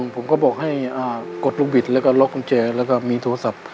ผมก็บอกให้กดลูกบิดแล้วก็ล็อกกุญแจแล้วก็มีโทรศัพท์